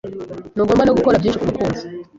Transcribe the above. Ntugomba no gukora byinshi kumukunzi